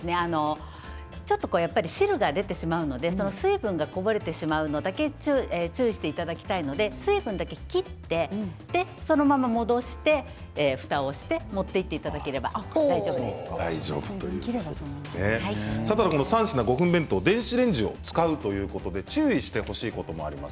ちょっと汁が出てしまうので水分がこぼれてしまうのだけ注意していただきたいので水分だけ切って、そのまま戻してふたをして持っていって３品５分弁当電子レンジを使うということで注意してほしいこともあります。